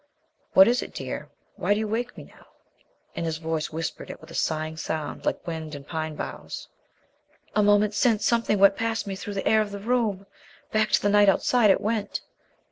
"What is it, dear? Why do you wake me now ?" And his voice whispered it with a sighing sound, like wind in pine boughs. "A moment since something went past me through the air of the room. Back to the night outside it went."